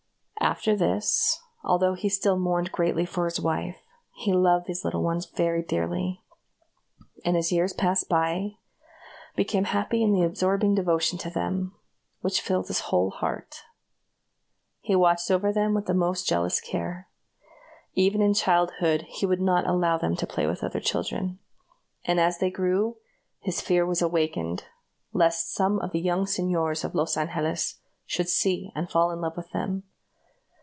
After this, although he still mourned greatly for his wife, he loved these little ones very dearly; and as years passed by, became happy in the absorbing devotion to them, which filled his whole heart. He watched over them with the most jealous care. Even in childhood, he would not allow them to play with other children; and as they grew older, his fear was awakened lest some of the young señors of Los Angeles should see and fall in love with them.